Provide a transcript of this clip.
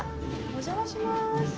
お邪魔します。